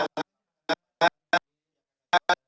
suasana ini tidak terjadi